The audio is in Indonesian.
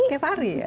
tiap hari ya